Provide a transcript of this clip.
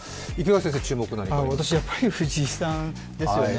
私、やっぱり藤井さんですよね